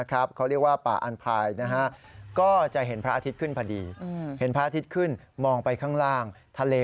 คือวันเดียวสำหรับช่วงเช้าอย่างเดียวคือเจอหลายแบบเลย